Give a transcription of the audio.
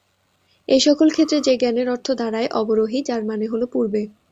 এই সকল ক্ষেত্রে, যে জ্ঞানের অর্থ দাঁড়ায় "অবরোহী", যার মানে হল পূর্বে।